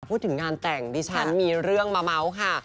พูดถึงงานแต่งดิฉันมีเรื่องมาเมาส์ค่ะ